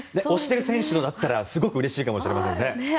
推してる選手だったらすごくうれしいかもしれませんね。